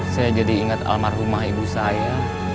saya jadi ingat almarhumah ibu saya